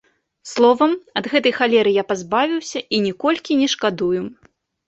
Словам, ад гэтай халеры я пазбавіўся і ніколькі не шкадую.